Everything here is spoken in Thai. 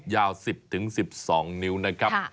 ยาว๑๐๑๒นิ้วนะครับ